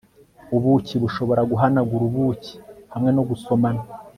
Ubuki bushobora guhanagura ubuki hamwe no gusomana